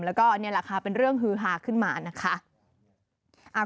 แล้วก็นี่แหละค่ะเป็นเรื่องฮือฮาขึ้นมานะคะ